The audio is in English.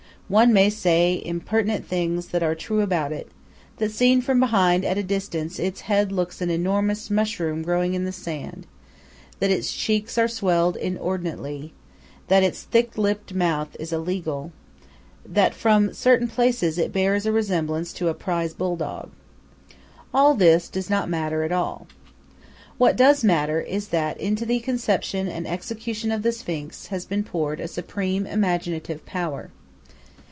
One may say impertinent things that are true about it: that seen from behind at a distance its head looks like an enormous mushroom growing in the sand, that its cheeks are swelled inordinately, that its thick lipped mouth is legal, that from certain places it bears a resemblance to a prize bull dog. All this does not matter at all. What does matter is that into the conception and execution of the Sphinx has been poured a supreme imaginative power.